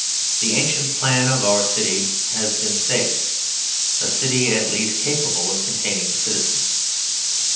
The ancient plan of our city has been saved; a city at least capable of containing citizens.